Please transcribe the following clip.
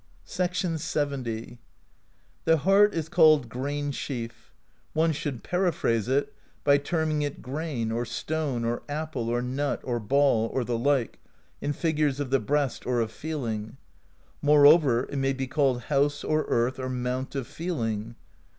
] LXX. "The heart is called grain sheaf; [one should peri phrase it by terming it Grain or Stone or Apple or Nut or Ball, or the like, in figures of the breast or of feeling. More over, it may be called House or Earth or Mount of Feeling.